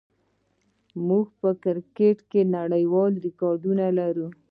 موږ په کرکټ کې نړیوال ریکارډونه لرو.